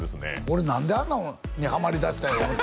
俺何であんなんにハマりだしたんやろ？